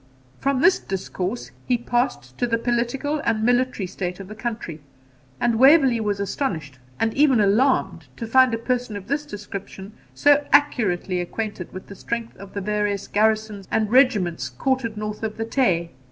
From this discourse he passed to the political and military state of the country; and Waverley was astonished, and even alarmed, to find a person of this description so accurately acquainted with the strength of the various garrisons and regiments quartered north of the Tay.